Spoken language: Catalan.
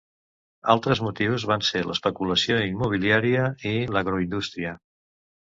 Altres motius van ser l'especulació immobiliària i l'agroindústria.